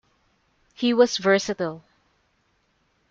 He was versatile.